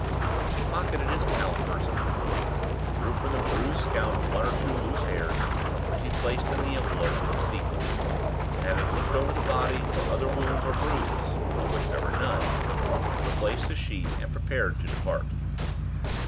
He pocketed his callipers and rule, drew from the bruised scalp one or two loose hairs, which he placed in the envelope with the sequins, and, having looked over the body for other wounds or bruises (of which there were none), replaced the sheet, and prepared to depart.